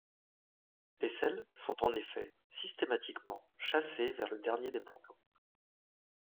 Les sels sont en effet systématiquement chassés vers le dernier des plans d'eau.